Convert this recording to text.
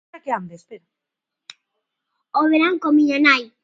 O verán coa miña nai.